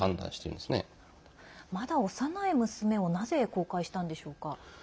まだ幼い娘をなぜ公開したんでしょうか？